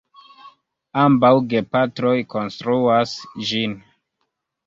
Ambaŭ gepatroj konstruas ĝin.